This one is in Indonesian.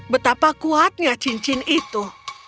betapa kuatnya cincin itu